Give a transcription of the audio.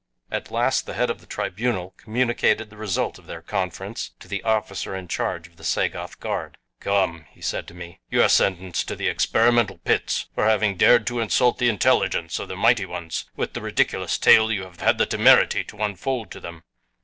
At last the head of the tribunal communicated the result of their conference to the officer in charge of the Sagoth guard. "Come," he said to me, "you are sentenced to the experimental pits for having dared to insult the intelligence of the mighty ones with the ridiculous tale you have had the temerity to unfold to them."